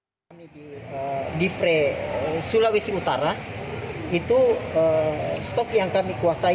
subdivre tahunan di sulawesi utara itu stok yang kami kuasai